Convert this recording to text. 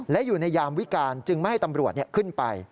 และอยู่ในยามวิการจึงไม่ให้ตำรวจขึ้นไป